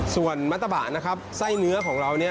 ส่วนมัตตะบะนะครับไส้เนื้อของเราเนี่ย